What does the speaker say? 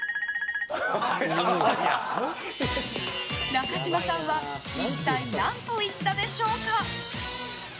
中島さんは一体何と言ったでしょうか？